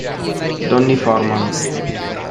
Donnie Forman